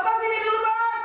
broto sini dulu pak